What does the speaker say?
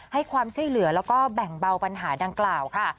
ให้ความช่วยเหลือแล้วก็แบ่งเบาปัญหาดังกล่าวค่ะ